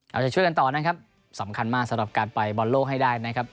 เอาใจช่วยกันต่อนะครับสำคัญมากสำหรับการไปบอลโลกให้ได้นะครับ